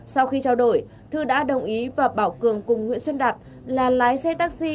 sau khi trao đổi thư đã đồng ý và bảo cường cùng nguyễn xuân đạt là lái xe taxi